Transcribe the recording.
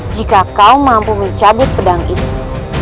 jika kau mampu mencabut pedang itu